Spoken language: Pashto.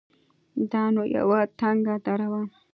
دا نو يوه تنگه دره وه.